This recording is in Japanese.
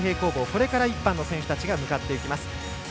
これから１班の選手たちが向かっていきます。